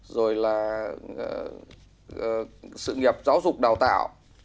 rồi là sự nghiệp giáo dục đào tạo